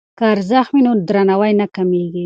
که ارزښت وي نو درناوی نه کمېږي.